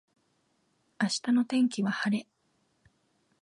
明日の天気は晴れ